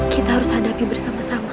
kita harus hadapi bersama sama